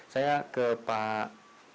saya ke pak